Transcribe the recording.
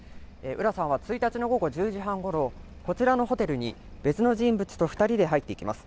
浦さんは１日の午後１０時半ごろこちらのホテルに別の人物と２人で入っていきます。